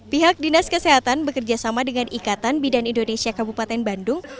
pihak dinas kesehatan bekerjasama dengan ikatan bidan indonesia kabupaten bandung